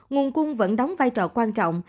nguồn cung vẫn đóng vai trò quan trọng